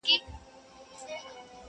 ما ژوندي پر لویو لارو دي شکولي٫